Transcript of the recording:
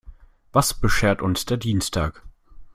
Was beschert uns der Dienstag?